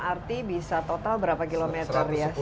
yang dilayani oleh mrt bisa total berapa km ya